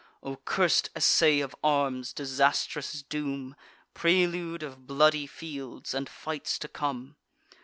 O curst essay of arms, disastrous doom, Prelude of bloody fields, and fights to come!